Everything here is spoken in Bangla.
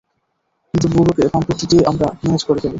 কিন্তু বুড়োকে পাম-পট্টি দিয়ে আমরা ম্যানেজ করে ফেলি।